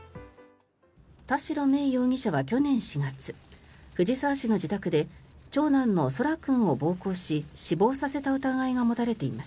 田代芽衣容疑者は去年４月藤沢市の自宅で長男の空来君を暴行し死亡させた疑いが持たれています。